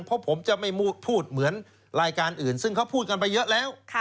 เพราะผมจะไม่พูดเหมือนรายการอื่นซึ่งเขาพูดกันไปเยอะแล้ว